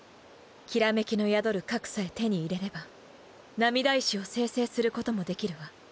煌めきの宿る核さえ手に入れれば涙石を精製することもできるわ。